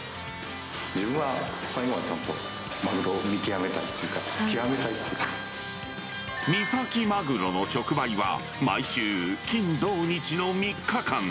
自分は最後はちゃんとマグロを見極めたいというか、三崎マグロの直売は、毎週、金、土、日の３日間。